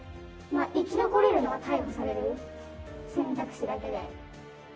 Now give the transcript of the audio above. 生き残れるのは逮捕される選択肢だけで。